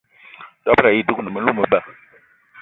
Dob-ro ayi dougni melou meba.